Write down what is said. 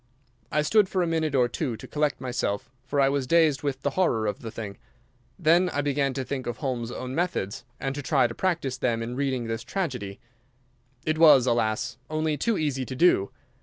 I stood for a minute or two to collect myself, for I was dazed with the horror of the thing. Then I began to think of Holmes's own methods and to try to practise them in reading this tragedy. It was, alas, only too easy to do.